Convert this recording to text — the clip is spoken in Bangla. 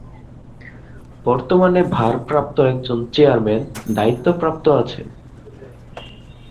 বর্তমানে ভারপ্রাপ্ত একজন চেয়ারম্যান দায়িত্বপ্রাপ্ত আছেন।